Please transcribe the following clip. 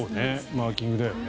マーキングだよね。